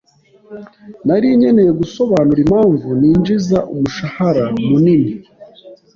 Nari nkeneye gusobanura impamvu ninjiza umushahara munini.